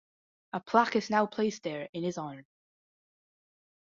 A plaque is now placed there in his honor.